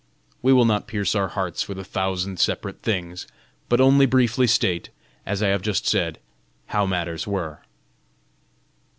We will not pierce our hearts with a thousand separate things, but only briefly state, as I have just said, how matters were.